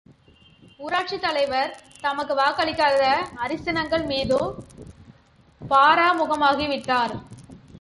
ஊராட்சித் தலைவர் தமக்கு வாக்களிக்காத அரிசனங்கள் மீது பராமுகமாகி விட்டார்!